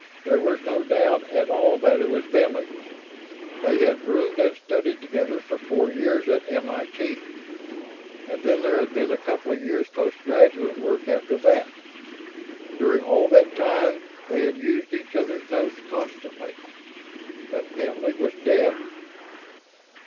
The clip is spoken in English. There was no doubt at all that it was Bentley's. They had roomed and studied together for four years at MIT, and then there had been a couple of years' post graduate work after that. During all that time they had used each other's notes constantly. But Bentley was dead.